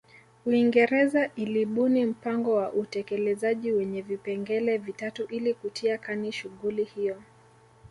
Uingereza ilibuni mpango wa utekelezaji wenye vipengele vitatu ili kutia kani shughuli hiyo